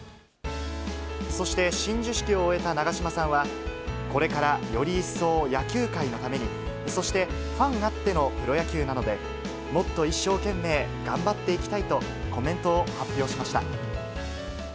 そして親授式を終えた長嶋さんは、これからより一層野球界のために、そしてファンあってのプロ野球なので、もっと一生懸命頑張っていきたいとコメントを発表しました。